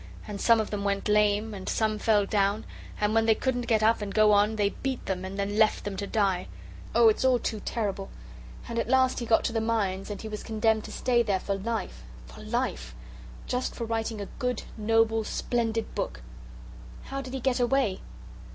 And some of them went lame, and some fell down, and when they couldn't get up and go on, they beat them, and then left them to die. Oh, it's all too terrible! And at last he got to the mines, and he was condemned to stay there for life for life, just for writing a good, noble, splendid book." "How did he get away?"